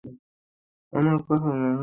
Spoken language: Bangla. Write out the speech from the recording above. চিনোর উপর নজর রাখতে।